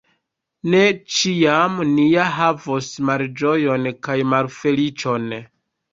Ne ĉiam ni ja havos malĝojon kaj malfeliĉon!